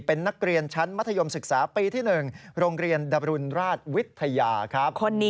เป็นนักเรียนชั้นมัธยมศึกษาปีที่๑โรงเรียนดรุณราชวิทยาครับ